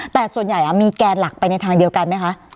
แต่ส่วนใหญ่มีแกนหลักไปในทางเดียวกันไหมคะ